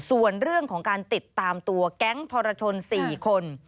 ส่วนเรื่องของการติดตามตัวแก๊งทรชน๔คน